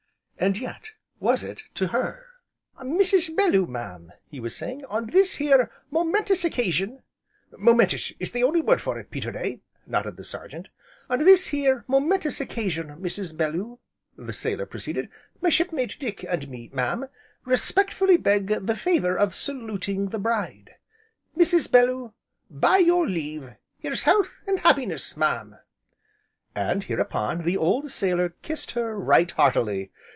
And yet, was it to her? "Mrs. Belloo, mam," he was saying, "on this here monumentous occasion " "Monumentous is the only word for it, Peterday!" nodded the Sergeant. "On this here monumentous occasion, Mrs. Belloo," the sailor proceeded, "my shipmate, Dick, and me, mam, respectfully beg the favour of saluting the bride; Mrs. Belloo, by your leave here's health, and happiness, mam!" And, hereupon, the old sailor kissed her, right heartily.